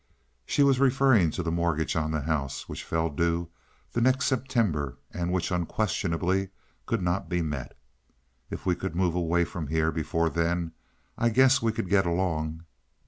She was referring to the mortgage on the house, which fell due the next September and which unquestionably could not be met. "If we could move away from here before then, I guess we could get along."